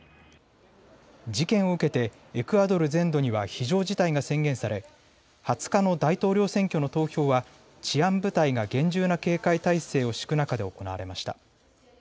事件を受けてエクアドル全土には非常事態が宣言され２０日の大統領選挙の投票は治安部隊が厳重な警戒態勢を敷く中で行われました。